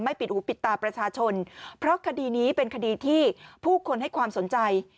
ปิดหูปิดตาประชาชนเพราะคดีนี้เป็นคดีที่ผู้คนให้ความสนใจ